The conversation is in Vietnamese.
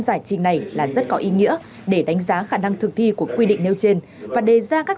giải trình này là rất có ý nghĩa để đánh giá khả năng thực thi của quy định nêu trên và đề ra các